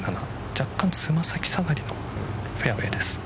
若干、爪先下がりのフェアウェイです。